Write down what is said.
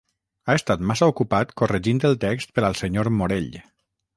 Ha estat massa ocupat corregint el text per al senyor Morell.